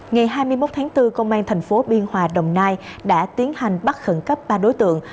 ngày hai mươi một tháng bốn công an thành phố biên hòa đồng nai đã tiến hành bắt khẩn cấp ba đối tượng